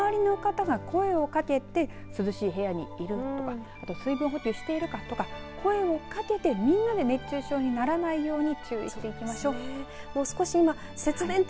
周りの方が声をかけて涼しい部屋にいるとかあと水分補給しているかとか声をかけて熱中症にならないように注意していきましょう。